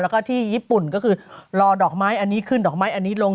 แล้วก็ที่ญี่ปุ่นก็คือรอดอกไม้อันนี้ขึ้นดอกไม้อันนี้ลง